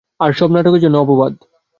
আর সব নাটকের জন্য ধন্যবাদ।